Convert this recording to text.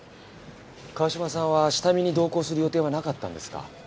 川嶋さんは下見に同行する予定はなかったんですか？